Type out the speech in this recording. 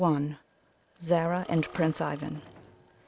ZARA AND PRINCE IVAN.